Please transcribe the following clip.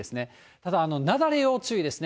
ただ、雪崩要注意ですね。